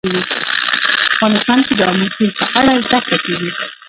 افغانستان کې د آمو سیند په اړه زده کړه کېږي.